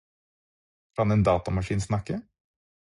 Kan en datamaskin snakke?